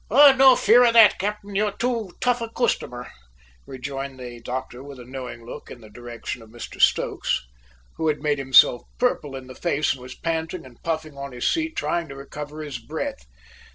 "No fear of that, cap'en; you're too tough a customer," rejoined the doctor with a knowing look in the direction of Mr Stokes, who had made himself purple in the face and was panting and puffing on his seat, trying to recover his breath.